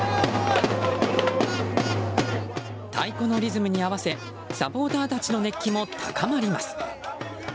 太鼓のリズムに合わせサポーターたちの熱気も高まります。